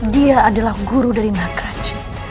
dia adalah guru dari makaj